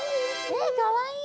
えかわいい！